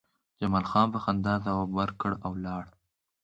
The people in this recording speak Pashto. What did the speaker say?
جمال خان په خندا ځواب ورکړ او لاړ